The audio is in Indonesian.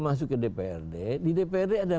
masuk ke dprd di dprd ada